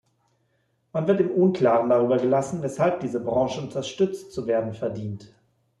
Man wird im Unklaren darüber gelassen, weshalb diese Branche unterstützt zu werden verdient.